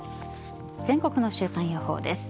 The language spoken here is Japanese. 全国の週間予報です。